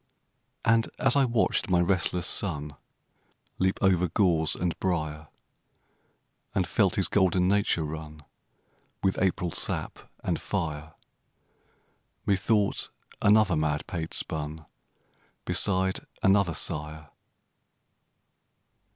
And as I watched my restless son Leap over gorse and briar, And felt his golden nature run With April sap and fire, Methought another madpate spun Beside another sire.